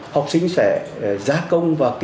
học sinh sẽ giá công và kết nối